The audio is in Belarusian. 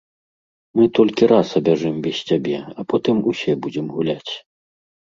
Мы толькі раз абяжым без цябе, а потым усе будзем гуляць.